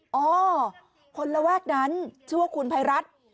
เพราะว่าคนระวักนั้นชื่อว่าคุณภัยรัฐ